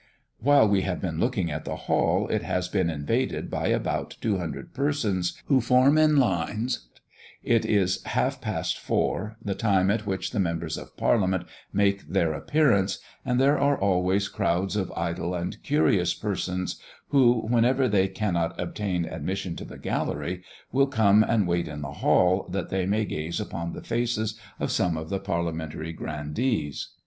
While we have been looking at the hall, it has been invaded by about two hundred persons, who form in lines through the whole length of it. It is half past four, the time at which the Members of Parliament make their appearance, and there are always crowds of idle and curious persons, who, whenever they cannot obtain admission to the gallery, will come and wait in the hall, that they may gaze upon the faces of some of the parliamentary grandees.